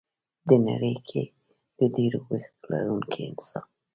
ه نړۍ کې د ډېرو وېښتو لرونکي انسان